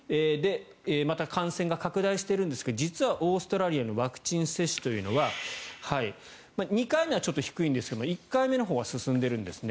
また感染が拡大しているんですが実はオーストラリアのワクチン接種というのは２回目はちょっと低いんですが１回目のほうは進んでいるんですね。